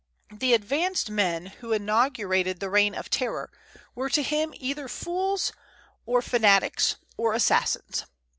The advanced men who inaugurated the Reign of Terror were to him either fools, or fanatics, or assassins.